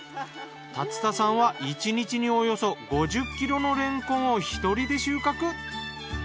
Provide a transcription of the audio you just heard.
竜田さんは１日におよそ５０ｋｇのれんこんを１人で収穫。